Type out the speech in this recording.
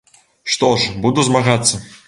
Што ж, буду змагацца.